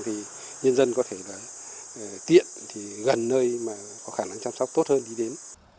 thì nhân dân có thể tiện gần nơi có khả năng chăm sóc tốt hơn đi đến